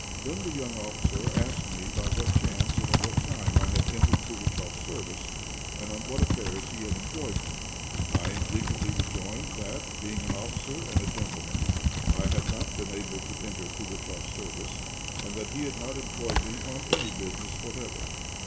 Then the young officer asked me by what chance and at what time I had entered Pugatchéf's service, and on what affairs he had employed me. I indignantly rejoined that, being an officer and a gentleman, I had not been able to enter Pugatchéf's service, and that he had not employed me on any business whatsoever.